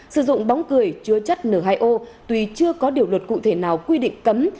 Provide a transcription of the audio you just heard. sử dụng bóng cười chứa chất n hai o tuy chưa có điều luật cụ thể nào quy định cấm